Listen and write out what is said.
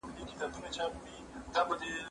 زه له سهاره پاکوالي ساتم!؟